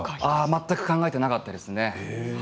全く考えていなかったですね。